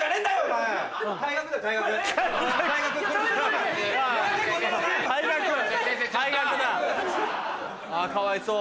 あぁかわいそう。